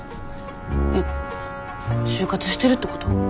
えっ就活してるってこと？